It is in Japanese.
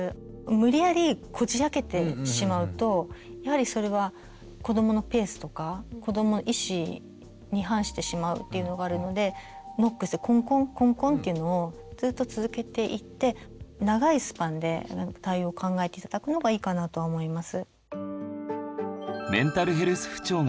無理やりこじあけてしまうとやはりそれは子どものペースとか子どもの意思に反してしまうっていうのがあるのでノックしてコンコンコンコンっていうのをずっと続けていって長いスパンで対応を考えて頂くのがいいかなとは思います。